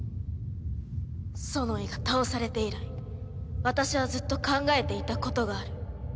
ソノイが倒されて以来私はずっと考えていたことがある。